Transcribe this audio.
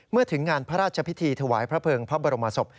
ถึงงานพระราชพิธีถวายพระเภิงพระบรมศพ